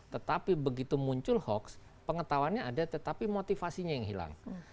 tetapi begitu muncul hoax pengetahuannya ada tetapi motivasinya yang hilang